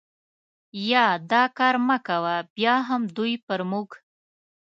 یا دا کار مه کوه، بیا هم دوی پر موږ.